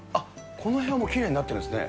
この辺はもうきれいになってるんですね。